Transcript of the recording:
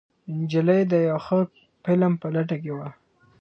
نجلۍ د یو ښه فلم په لټه کې وه.